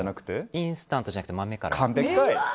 インスタントじゃなくて豆から。